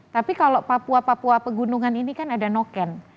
tapi kalau papua papua pegunungan ini kan ada noken